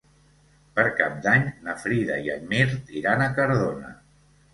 Per Cap d'Any na Frida i en Mirt iran a Cardona.